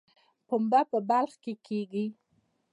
پنبه په بلخ کې کیږي